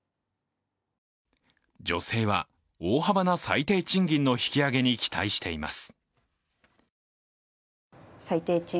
女性は大幅な最低賃金の引き上げに期待しています。